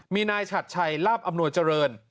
มีนายชัดชัยลาบอำนวยเจริญ